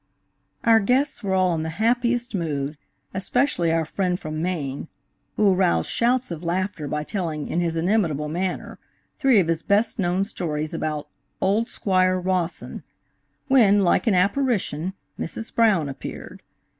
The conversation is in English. Our guests were all in the happiest mood, especially our friend from Maine, who aroused shouts of laughter by telling, in his inimitable manner, three of his best known stories about "old Squire Rawson," when, like an apparition, Mrs. Brown appeared.